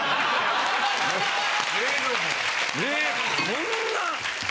こんな。